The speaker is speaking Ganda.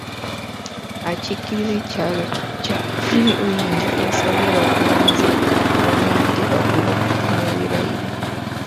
Akiikirira ekyalo kya Buyinja yasabye abakulembeze abalayidde bafube okukuuma ebirayiro.